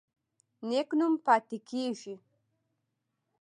نیک نوم پاتې کیږي